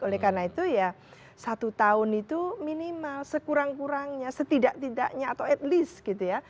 oleh karena itu ya satu tahun itu minimal sekurang kurangnya setidak tidaknya atau at least gitu ya